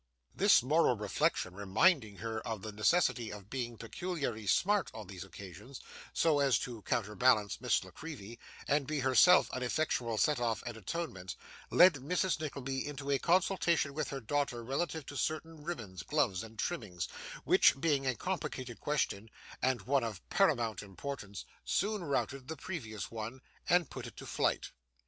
This moral reflection reminding her of the necessity of being peculiarly smart on the occasion, so as to counterbalance Miss La Creevy, and be herself an effectual set off and atonement, led Mrs. Nickleby into a consultation with her daughter relative to certain ribbons, gloves, and trimmings: which, being a complicated question, and one of paramount importance, soon routed the previous one, and put it to flight.